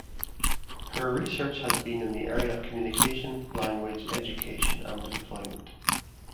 Her research has been in the area of communication, language, education and employment.